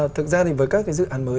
thực ra thì với các cái dự án mới